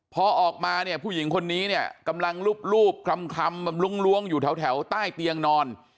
พอออกมาเนี่ยผู้หญิงคนนี้เนี่ยกำลังลูบคลำแบบล้วงอยู่แถวใต้เตียงนอน